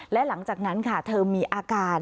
และหลังจากนั้นค่ะเธอมีอาการ